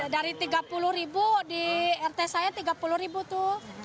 dari rp tiga puluh di rt saya rp tiga puluh tuh